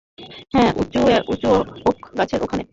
হ্যাঁ, উঁচু ওক গাছের ওখনে।